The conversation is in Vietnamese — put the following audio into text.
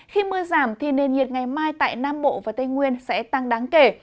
khi mưa giảm thì nền nhiệt ngày mai tại nam bộ và tây nguyên sẽ tăng đáng kể